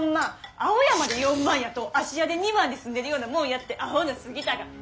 青山で４万やと芦屋で２万で住んでるようなもんやってアホの杉田が。